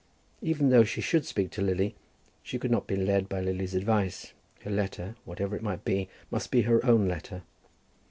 Even though she should speak to Lily she could not be led by Lily's advice. Her letter, whatever it might be, must be her own letter.